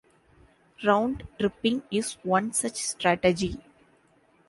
Round-tripping is one such strategy.